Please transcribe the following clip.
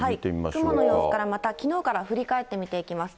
雲の様子からまたきのうから振り返って見ていきます。